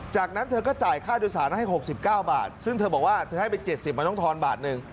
จากนั้นเธอก็จ่ายค่าโดยสารให้๖๙บาทซึ่งเธอบอกว่าเธอให้ไป๗๐มันต้องทอนบาทหนึ่ง